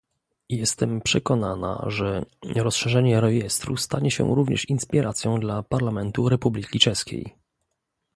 Jestem przekonana, że rozszerzenie rejestru stanie się również inspiracją dla parlamentu Republiki Czeskiej